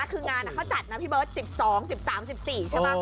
คืองานเขาจัดนะพี่เบิร์ต๑๒๑๓๑๔ใช่ไหม